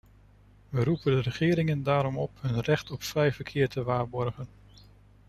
We roepen de regeringen daarom op hun recht op vrij verkeer te waarborgen.